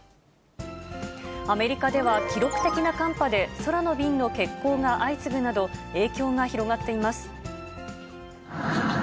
アメリカでは、記録的な寒波で、空の便の欠航が相次ぐなど、影響が広がっています。